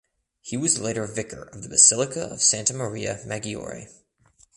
He was later Vicar of the Basilica of Santa Maria Maggiore.